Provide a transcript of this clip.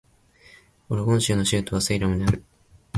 オレゴン州の州都はセイラムである